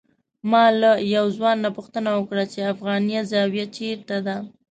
ما له یو ځوان نه پوښتنه وکړه چې افغانیه زاویه چېرته ده.